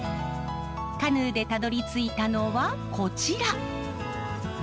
カヌーでたどりついたのはこちら。